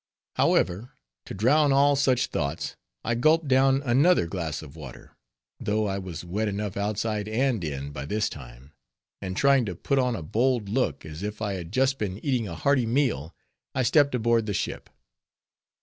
However, to drown all such thoughts, I gulped down another glass of water, though I was wet enough outside and in by this time; and trying to put on a bold look, as if I had just been eating a hearty meal, I stepped aboard the ship.